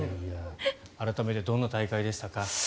改めてどんな大会でしたか？